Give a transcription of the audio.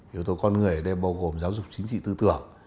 yếu tố con người ở đây bao gồm giáo dục chính trị tư tưởng